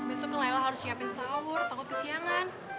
besoknya laila harus siapin staur takut kesiangan